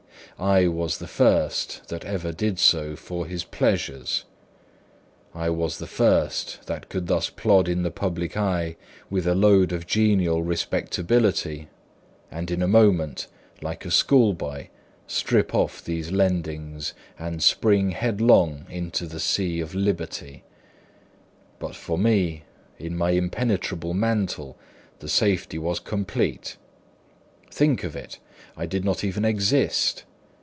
I was the first that ever did so for his pleasures. I was the first that could plod in the public eye with a load of genial respectability, and in a moment, like a schoolboy, strip off these lendings and spring headlong into the sea of liberty. But for me, in my impenetrable mantle, the safety was complete. Think of it—I did not even exist!